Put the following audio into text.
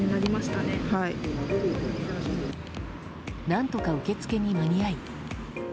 何とか受付に間に合い